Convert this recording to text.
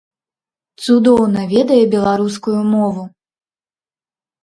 Цудоўна ведае беларускую мову.